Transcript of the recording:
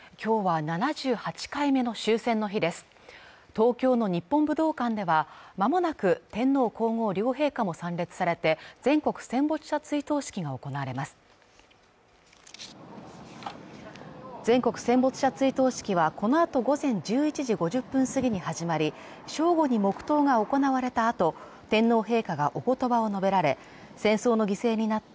東京の日本武道館ではまもなく天皇皇后両陛下も参列されて全国戦没者追悼式が行われます全国戦没者追悼式はこのあと午前１１時５０分過ぎに始まり正午に黙とうが行われたあと天皇陛下がおことばを述べられ戦争の犠牲になった